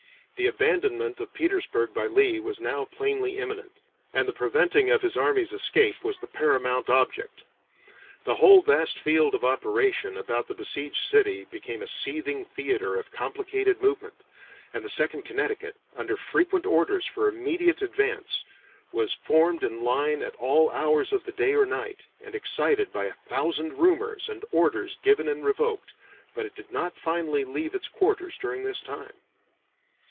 The abandonment of Petersburg by Lee was now plainly imminent, and the preventing of his army's escape was the paramount object. The whole vast field of operation about the besieged city became a seething theater of complicated movement, and the Second Connecticut, under frequent orders for immediate advance, was formed in line at all hours of the day or night, and excited by a thousand rumors and orders given and revoked, but it did not finally leave its quarters during this time.